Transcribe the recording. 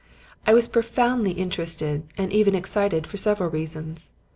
"I was profoundly interested and even excited for several reasons.